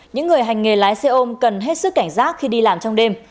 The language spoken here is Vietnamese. những người hành nghề lái xe ôm cần hết sức cảnh giác khi đi làm trong đêm